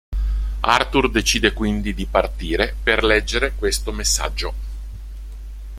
Arthur decide quindi di partire per leggere questo Messaggio.